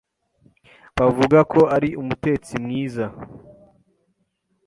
Bavuga ko ari umutetsi mwiza.